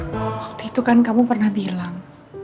waktu itu kan kamu pernah bilang